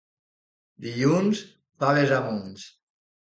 Dilluns, faves a munts.